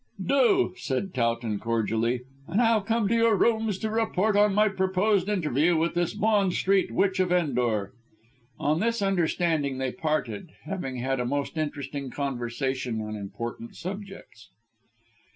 "Do," said Towton cordially, "and I'll come to your rooms to report on my proposed interview with this Bond Street Witch of Endor." On this understanding they parted, having had a most interesting conversation on important subjects.